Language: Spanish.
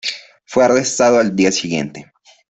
Fue arrestado al día siguiente.